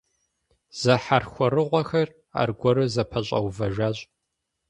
Зэхьэрхуэрэгъухэр аргуэру зэпэщӀэувэжащ.